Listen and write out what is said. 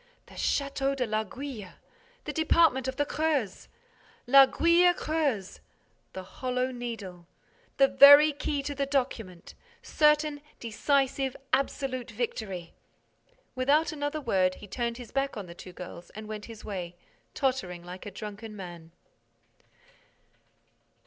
The Château de l'Aiguille! The department of the Creuse! L'Aiguille Creuse! The Hollow Needle! The very key to the document! Certain, decisive, absolute victory! Without another word, he turned his back on the two girls and went his way, tottering like a drunken man.